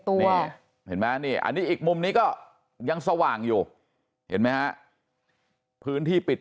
เห็นไหมนี่อันนี้อีกมุมนี้ก็ยังสว่างอยู่เห็นไหมฮะพื้นที่ปิด